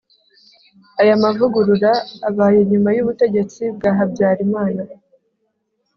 Aya mavugurura abaye nyuma y’ubutegetsi bwa Habyarimana